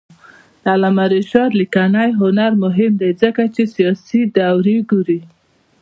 د علامه رشاد لیکنی هنر مهم دی ځکه چې سیاسي دورې ګوري.